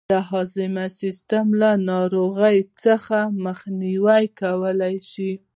د هضمي سیستم له ناروغیو څخه مخنیوی کولای شو.